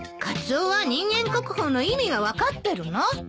カツオは人間国宝の意味が分かってるの？